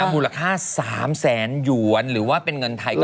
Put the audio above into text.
บูรค่า๓แสนหยวนหรือว่าเป็นเงินไทยก็๑๕๐๐๐๐๐